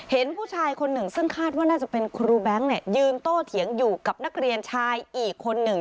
เห็นผู้ชายคนหนึ่งซึ่งคาดว่าน่าจะเป็นครูแบงค์เนี่ยยืนโต้เถียงอยู่กับนักเรียนชายอีกคนหนึ่ง